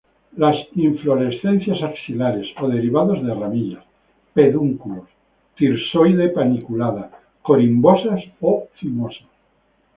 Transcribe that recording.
Las inflorescencias axilares o derivados de ramillas, pedúnculos, thirsoide-paniculada, corimbosas o cimosas.